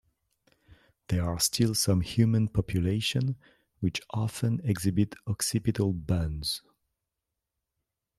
There are still some human populations which often exhibit occipital buns.